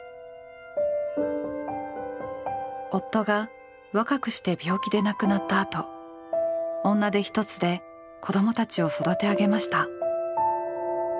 夫が若くして病気で亡くなったあと女手一つで子供たちを育て上げました。